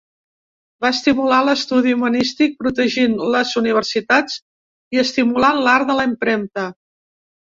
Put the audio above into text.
Va estimular l'estudi humanístic protegint les universitats i estimulant l'art de la impremta.